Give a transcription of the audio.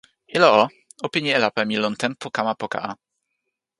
ilo o, o pini e lape mi lon tenpo kama poka a.